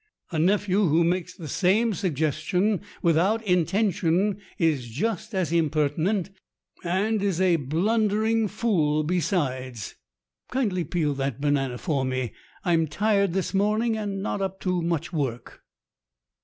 A nephew who makes the same suggestion without inten tion is just as impertinent and is a blundering fool be sides. Kindly peel that banana for me. I am tired this morning and not up to much work."